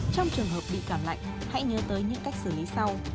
trong trường hợp bị cảm lạnh hãy nhớ tới những cách xử lý sau